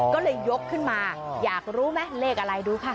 ก็เลยยกขึ้นมาอยากรู้ไหมเลขอะไรดูค่ะ